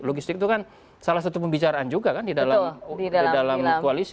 logistik itu kan salah satu pembicaraan juga kan di dalam koalisi